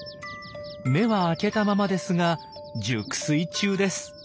目は開けたままですが熟睡中です。